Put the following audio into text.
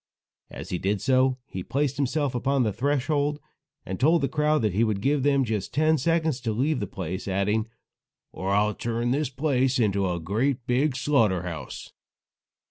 As he did so, he placed himself upon the threshold, and told the crowd that he would give them just ten seconds to leave the place, adding: "Or I'll turn this place into a great big slaughter house."